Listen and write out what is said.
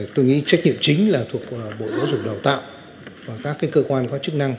tôi nghĩ trách nhiệm chính là thuộc bộ giáo dục đào tạo và các cơ quan có chức năng